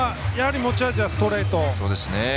やはり持ち味はストレート。